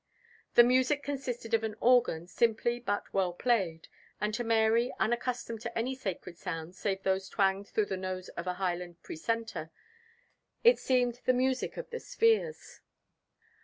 The music consisted of an organ, simply but well played; and to Mary, unaccustomed to any sacred sounds save those twanged through the nose of a Highland precentor, it seemed the music of the spheres.